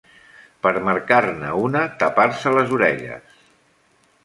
per marcar-ne una Tapar-se les orelles